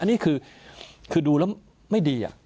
นี่คือดูแล้วไม่ดี